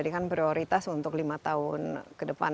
sekarang sudahistik tentara badan susung